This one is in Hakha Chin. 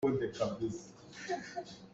Ka cauk zal in ka pai.